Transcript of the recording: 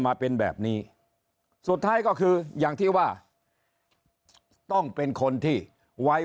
มาเป็นแบบนี้สุดท้ายก็คืออย่างที่ว่าต้องเป็นคนที่ไว้